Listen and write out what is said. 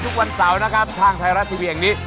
ทุกวันเสาร์นะครับทางไทยรัฐทีวีแห่งนี้